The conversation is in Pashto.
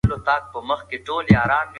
ډاکټر ګو وايي دا باورونه غلط دي.